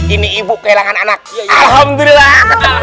ini ibu kehilangan anak ya alhamdulillah